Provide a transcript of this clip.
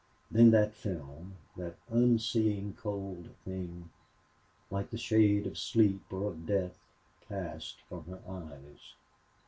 Then that film, that unseeing cold thing, like the shade of sleep or of death, passed from her eyes.